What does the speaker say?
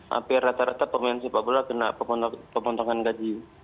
hampir rata rata pemain sepak bola kena pemotongan gaji